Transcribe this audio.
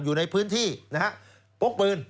อยู่ในพื้นที่นะฮะพกปืน